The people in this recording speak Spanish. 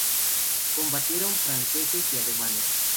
Combatieron franceses y alemanes.